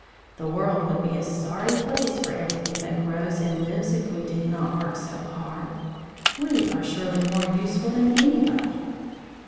The world would be a sorry place for everything that grows and lives if we did not work so hard. We are surely more useful than anybody."